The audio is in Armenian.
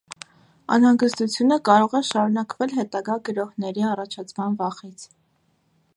Անհանգստությունը կարող է շարունակվել հետագա գրոհների առաջացման վախից։